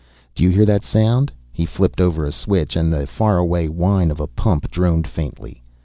Do you hear that sound?" He flipped over a switch and the faraway whine of a pump droned faintly.